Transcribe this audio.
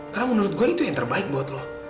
karena menurut gue itu yang terbaik buat lo